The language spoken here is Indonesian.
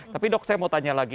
tapi dok saya mau tanya lagi